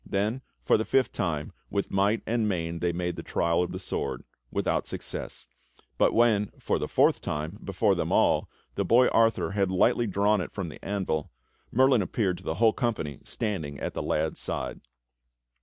Then for the fifth time, with might and main they made the trial of the sword — without 24 THE STORY OF KING ARTHUR success; but when, for the fourth time, before them all, the boy Arthur had lightly drawn it from the anvil. Merlin appeared to the whole company standing at the lad's side.